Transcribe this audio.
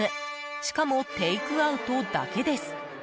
しかもテイクアウトだけです。